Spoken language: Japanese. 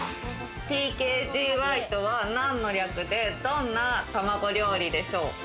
ＴＫＧＹとは何の略で、どんな卵料理でしょう？